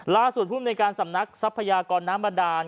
ล่าสุดพรุ่งในการสำนักทรัพยากรน้ำบาดาล